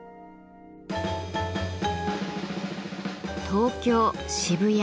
東京・渋谷。